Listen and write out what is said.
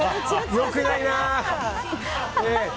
よくないな。